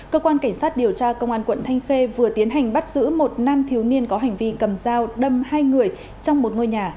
cơ quan cảnh sát điều tra công an quận thanh khê vừa tiến hành bắt giữ một nam thiếu niên có hành vi cầm dao đâm hai người trong một ngôi nhà